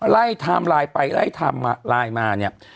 ไทม์ไลน์ไปไล่ไทม์ไลน์มาเนี่ย